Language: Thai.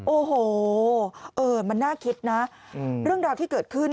โอ้โหมันน่าคิดนะเรื่องราวที่เกิดขึ้น